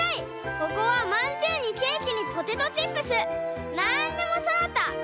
ここはまんじゅうにケーキにポテトチップスなんでもそろったおかしべや！」。